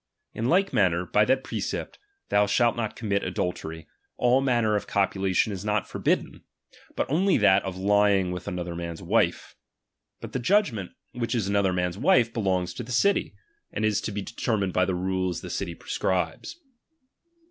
In like manner, by that precept. Thou shalt not commit adultery, all man ner of copulation is not forbidden ; but only that of lying with another man's wife. But the judg ment, which is another man s wife, belongs to the city ; and is to be determined by the rules which the city prescribes.